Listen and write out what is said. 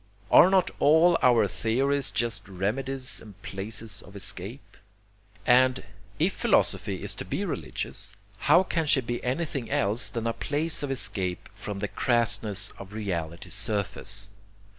Are not all our theories just remedies and places of escape? And, if philosophy is to be religious, how can she be anything else than a place of escape from the crassness of reality's surface?